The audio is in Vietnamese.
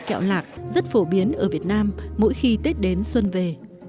kẹo lạc rất phổ biến ở việt nam mỗi khi tết đến xuân về